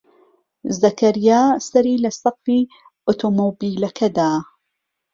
زەکەریا سەری لە سەقفی ئۆتۆمۆبیلەکە دا.